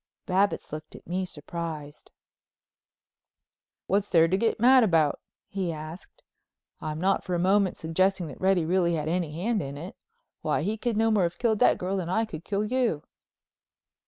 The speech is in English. Babbitts looked at me surprised. "What's there to get mad about?" he asked. "I'm not for a moment suggesting that Reddy really had any hand in it. Why, he could no more have killed that girl than I could kill you."